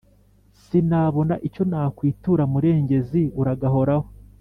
Sinabona icyo nakwitura murengezi uragahoraho